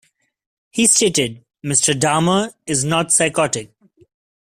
He stated, Mr. Dahmer is not psychotic.